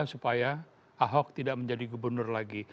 supaya ahok tidak menjadi gubernur lagi